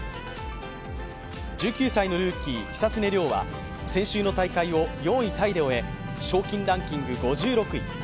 １９歳のルーキー、久常涼は先週の大会を４位タイで終え賞金ランキング５６位。